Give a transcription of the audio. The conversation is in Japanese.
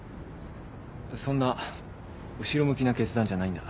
そんな後ろ向きな決断じゃないんだ。